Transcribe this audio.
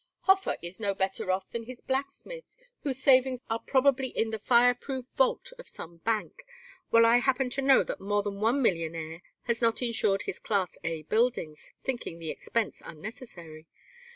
Hofer is no better off than his blacksmith whose savings are probably in the fireproof vault of some bank, while I happen to know that more than one millionaire has not insured his Class A buildings, thinking the expense unnecessary.